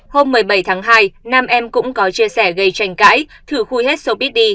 hôm một mươi bảy tháng hai nam em cũng có chia sẻ gây tranh cãi thử khui hết showbiz đi